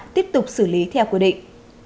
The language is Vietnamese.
tiếp tục xử lý theo quy định